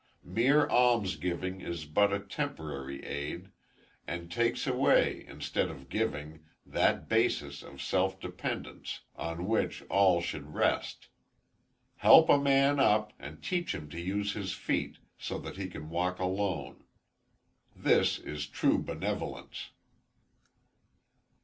Mere alms giving is but a temporary aid, and takes away, instead of giving, that basis of self dependence, on which all should rest. Help a man up, and teach him to use his feet, so that he can walk alone. This is true benevolence.